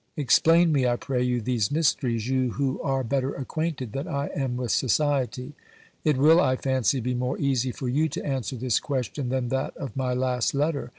Explain me, I pray you, these mysteries, you who are better acquainted than I am with society. It will, I fancy, be more easy for you to answer this question than that of my last letter.